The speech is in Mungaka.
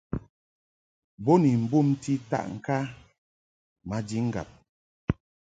Bo ni mbumti taʼŋka maji ŋgab.